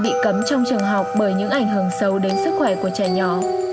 bị cấm trong trường học bởi những ảnh hưởng sâu đến sức khỏe của trẻ nhỏ